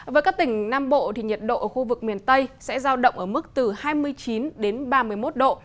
với các tỉnh nam bộ nhiệt độ ở khu vực miền tây sẽ giao động ở mức từ hai mươi chín đến ba mươi một độ